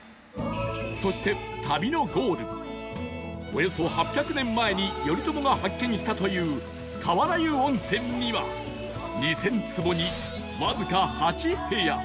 およそ８００年前に頼朝が発見したという川原湯温泉には２０００坪にわずか８部屋